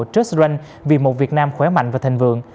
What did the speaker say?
just run vì một việt nam khỏe mạnh và thành vượng